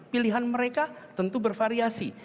pilihan mereka tentu bervariasi